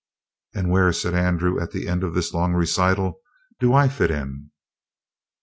"And where," said Andrew at the end of this long recital, "do I fit in?"